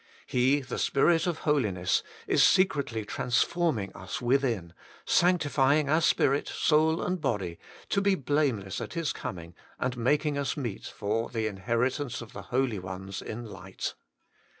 He, the Spirit of Holiness, is secretly transforming us within, sanctifying our spirit, soul, and body, to be blameless at His coming, and making us meet for the inheritance of the holy ones in light.